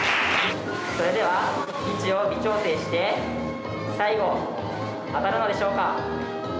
それでは位置を微調整して最後当たるのでしょうか。